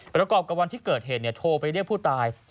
ประกอบกับวันที่เกิดเหตุโทรไปเรียกผู้ตาย